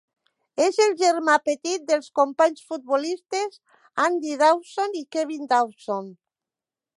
És el germà petit dels companys futbolistes Andy Dawson i Kevin Dawson.